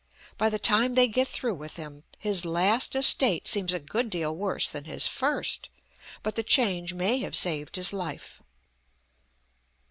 By the time they get through with him, his last estate seems a good deal worse than his first, but the change may have saved his life.